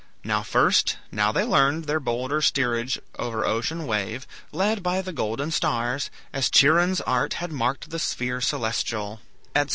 Now first, now they learned Their bolder steerage over ocean wave, Led by the golden stars, as Chiron's art Had marked the sphere celestial," etc.